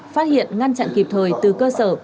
phát hiện ngăn chặn kịp thời từ cơ sở